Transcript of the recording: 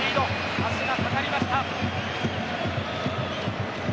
足がかかりました。